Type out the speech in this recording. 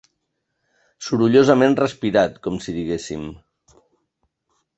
Sorollosament respirat, com si diguéssim.